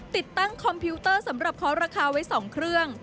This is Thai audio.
ติดตั้งคอมพิวเตอร์สำหรับเคาะราคาไว้๒เครื่อง